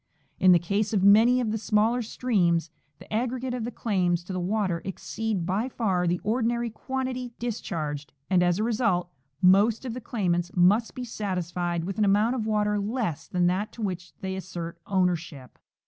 In the case of many of the smaller streams the aggregate of the claims to the water exceed by far the ordinary quantity discharged, and, as a result, most of the claimants must be satisfied with an amount of water less than that to which they assert ownership.